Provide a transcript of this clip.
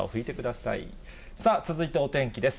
さあ、続いてお天気です。